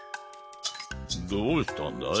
どうしたんだい？